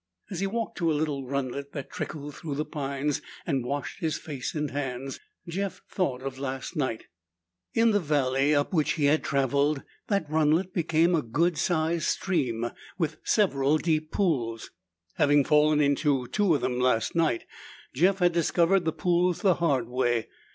As he walked to a little runlet that trickled through the pines and washed his face and hands, Jeff thought of last night. In the valley up which he had traveled, that runlet became a good sized stream, with several deep pools. Having fallen into two of them last night, Jeff had discovered the pools the hard way.